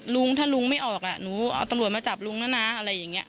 ลุงถ้าลุงไม่ออกหนูเอาตำรวจมาจับลุงแล้วนะอะไรอย่างนี้